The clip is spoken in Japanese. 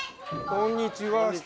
こんにちは。